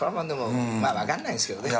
まあ分かんないですけどね。